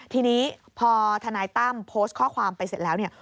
ทีนี้พอทนายตั้มโพสต์ข้อความไปเสร็จแล้วเนี่ย